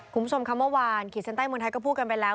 กลุ่มสมคำเมื่อวานขีดเซ็นต์ใต้มือไทยก็พูดกันไปแล้ว